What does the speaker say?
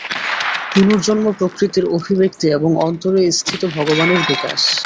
পুনর্জন্ম প্রকৃতির অভিব্যক্তি এবং অন্তরে স্থিত ভগবানের বিকাশ।